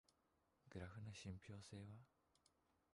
グラフの信憑性は？